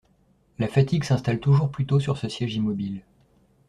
La fatigue s’installe toujours plus tôt sur ce siège immobile.